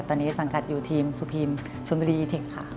ตอนนี้สังกัดอยู่ทีมสุพีมชนบุรีอีเทคค่ะ